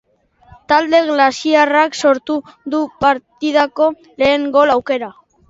Talde galiziarrak sortu du partidako lehen gol aukera.